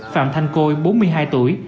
phạm thanh côi bốn mươi hai tuổi